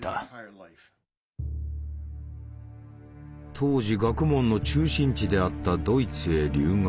当時学問の中心地であったドイツへ留学。